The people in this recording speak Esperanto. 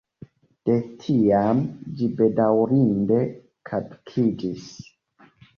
De tiam ĝi bedaŭrinde kadukiĝis.